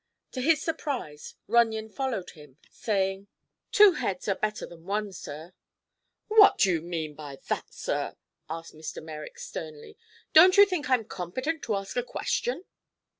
To his surprise Runyon followed him, saying: "Two heads are better than one, sir." "What do you mean by that, sir?" asked Mr. Merrick, sternly. "Don't you think I'm competent to ask a question?"